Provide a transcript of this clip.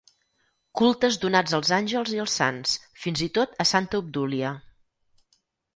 Cultes donats als àngels i als sants, fins i tot a santa Obdúlia.